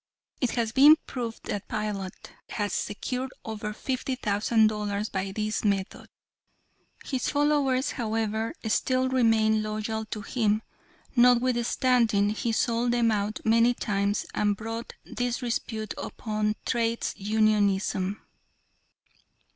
It has been proved that Pilate has secured over fifty thousand dollars by this method. His followers, however, still remain loyal to him, notwithstanding he sold them out many times and brought disrepute upon Trades Unionism."